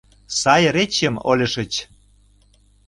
Сай речьым ойлышыч!